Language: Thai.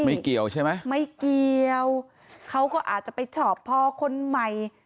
ไม่เกี่ยวใช่ไหมไม่เกี่ยวเขาก็อาจจะไปชอบพอคนใหม่